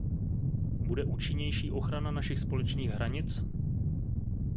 Bude účinnější ochrana našich společných hranic?